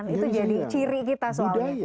itu jadi ciri kita sebetulnya